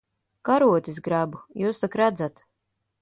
Karotes grebu. Jūs tak redzat.